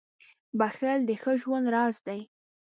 • بښل د ښه ژوند راز دی.